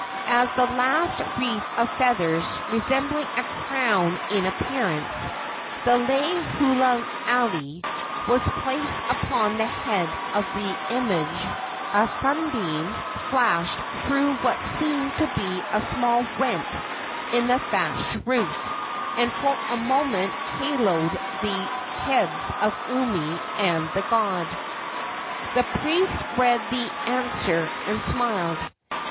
As the last wreath of feathers, resembling a crown in appearance the lei hula alii was placed upon the head of the image, a sunbeam flashed through what seemed to be a small rent in the thatched roof, and for a moment haloed the heads of Umi and the god. The priest read the answer and smiled.